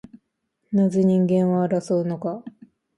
なぜ人間は争うのか